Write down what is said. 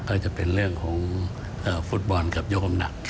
ก็จะเป็นเรื่องของฟุตบอลกับยกคำหนัก